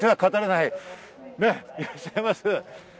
いらっしゃいます。